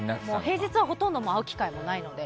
平日はほとんど会う機会がないので。